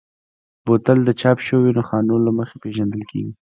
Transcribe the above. بوتل د چاپ شویو نښانونو له مخې پېژندل کېږي.